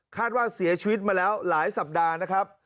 ว่าเสียชีวิตมาแล้วหลายสัปดาห์นะครับ